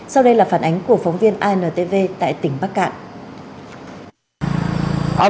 sau đây là phản ánh của phóng viên intv tại tỉnh bắc cạn